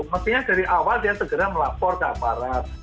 mestinya dari awal dia segera melapor ke aparat